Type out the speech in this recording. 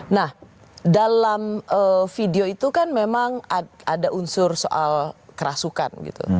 nah dalam video itu kan memang ada unsur soal kerasukan gitu